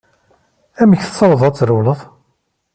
Amek tessawḍeḍ ad trewleḍ?